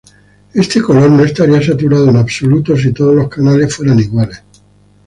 Este color no estaría saturado en absoluto si todos los canales fueran iguales.